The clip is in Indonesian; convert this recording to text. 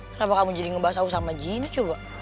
kenapa kamu jadi ngebahas aku sama jini coba